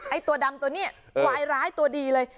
ตัวดำตัวนี้ควายร้ายตัวดีเลย